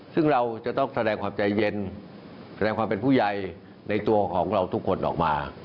ซึ่งเราจะต้องแสดงความใจเย็นแสดงความเป็นผู้ใหญ่ในตัวของเราทุกคนออกมา